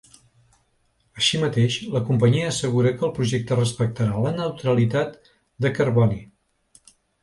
Així mateix, la companyia assegura que el projecte respectarà la neutralitat de carboni.